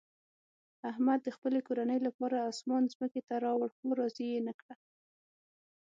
احمد د خپلې کورنۍ لپاره اسمان ځمکې ته راوړ، خو راضي یې نه کړه.